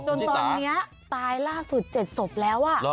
จนตอนนี้ตายล่าสุด๗ศพแล้ว